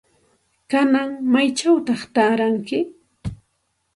¿Kanan maychawta taaranki?